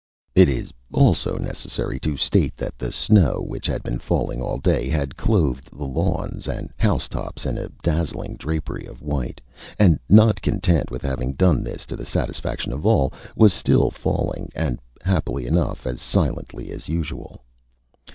It is also necessary to state that the snow, which had been falling all day, had clothed the lawns and house tops in a dazzling drapery of white, and, not content with having done this to the satisfaction of all, was still falling, and, happily enough, as silently as usual.